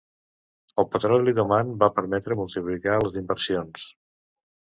El petroli d'Oman va permetre multiplicar les inversions.